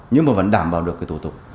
nhưng mà vẫn đảm bảo được thủ tục